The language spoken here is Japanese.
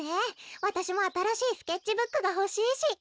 わたしもあたらしいスケッチブックがほしいし。